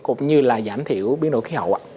cũng như là giảm thiểu biến đổi khí hậu